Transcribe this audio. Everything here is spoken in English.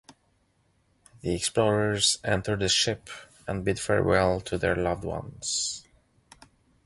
The explorers enter the ship and bid farewell to their loved ones.